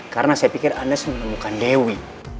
karena saya pikir anda sudah menemukan dewi